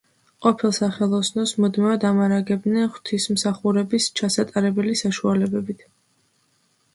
ყოფილ სახელოსნოს მუდმივად ამარაგებდნენ ღვთისმსახურების ჩასატარებელი საშუალებებით.